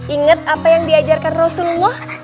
ingat apa yang diajarkan rasulullah